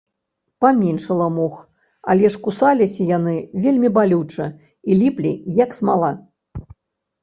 Паменшала мух, але ж кусаліся яны вельмі балюча і ліплі, як смала.